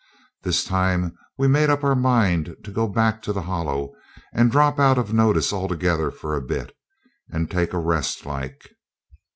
This time we made up our mind to go back to the Hollow and drop out of notice altogether for a bit, and take a rest like.